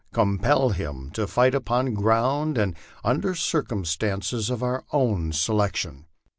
compel him to fight upon ground and under circumstances of our own selec tion.